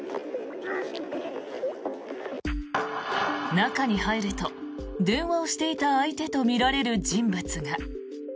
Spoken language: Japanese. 中に入ると電話をしていた相手とみられる人物が。